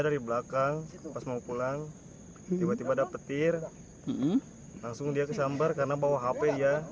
dari belakang pas mau pulang tiba tiba dapet tir langsung dia kesambar karena bawa hp dia